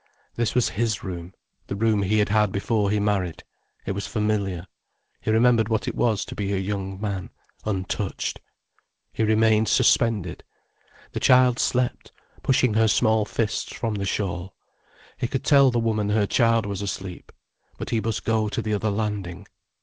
This was his room, the room he had had before he married. It was familiar. He remembered what it was to be a young man, untouched. He remained suspended. The child slept, pushing her small fists from the shawl. He could tell the woman her child was asleep. But he must go to the other landing.